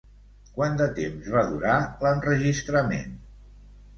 Quant de temps va durar l'enregistrament?